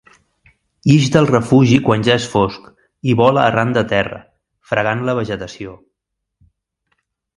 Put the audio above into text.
Ix del refugi quan ja és fosc i vola arran de terra, fregant la vegetació.